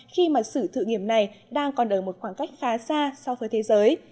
khi mà sự thử nghiệm này đang còn ở một khoảng cách khá xa so với thế giới